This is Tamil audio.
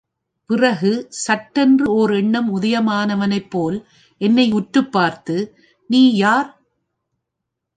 பிறகு சட்டென்று ஓர் எண்ணம் உதயமானவனைப் போல் என்னை உற்றுப்பார்த்து, நீ யார்?